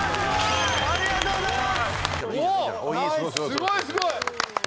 すごいすごい！